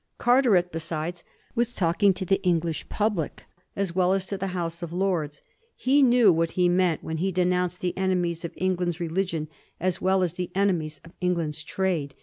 Car teret, besides, was talking to the English public as well as to the House of Lords. He knew what he meant when he denounced the enemies of England's religion as well as the enemies of England's trade.